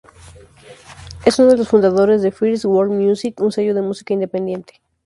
Es uno de los fundadores de First World Music, un sello de música independiente.